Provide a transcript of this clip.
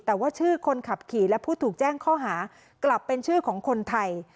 แต่ว่าชื่อคนขับขี่และผู้ถูกแจ้งข้อหากลับเป็นชื่อของคนไทย